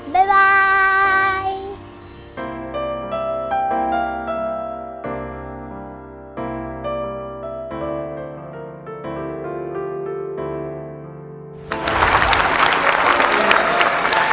บ๊ายบาย